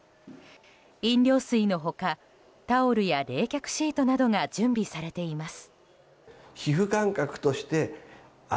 飲料水の他、タオルや冷却シートなどが準備されています。